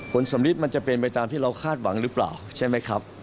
ผลสำริดมันจะเป็นไปตามที่เราคาดหวังหรือเปล่าใช่ไหมครับ